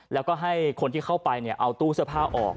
แล้วก็ให้คนที่เข้าไปเอาตู้เสื้อผ้าออก